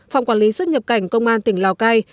phòng quản lý xuất nhập cảnh công an tỉnh lào cai